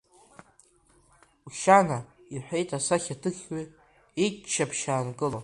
Ушьана, — иҳәеит асахьаҭыхҩы, иччаԥшь аанкыло.